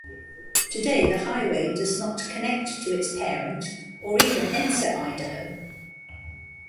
Today the highway does not connect to its parent, or even enter Idaho.